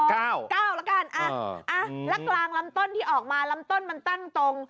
แล้วกันอ่ะแล้วกลางลำต้นที่ออกมาลำต้นมันตั้งตรง